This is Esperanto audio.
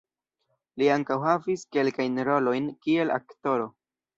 Li ankaŭ havis kelkajn rolojn kiel aktoro.